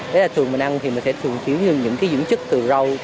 đấy là thường mình ăn thì mình sẽ thường chiếu như những cái dưỡng chất từ rau